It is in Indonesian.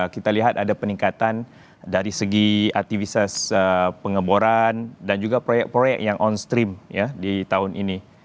kita lihat ada peningkatan dari segi aktivitas pengeboran dan juga proyek proyek yang on stream di tahun ini